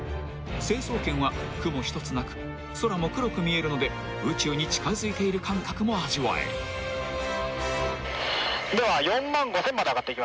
［成層圏は雲一つなく空も黒く見えるので宇宙に近づいている感覚も味わえる］では４万５，０００まで上がっていきます。